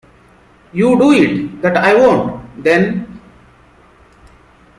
You do it!—That I won’t, then!